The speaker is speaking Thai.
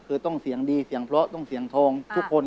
คือต้องเสียงดีเสียงเพราะต้องเสียงทองทุกคน